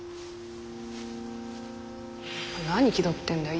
何気取ってんだよ。